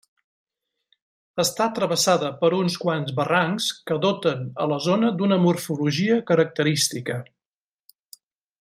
Està travessada per uns quants barrancs que doten a la zona d'una morfologia característica.